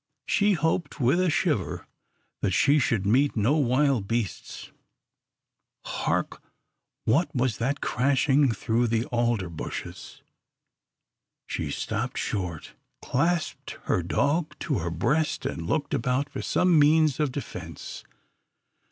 She hoped with a shiver that she should meet no wild beasts. Hark! What was that crashing through the alder bushes? She stopped short, clasped her dog to her breast, and looked about for some means of defence.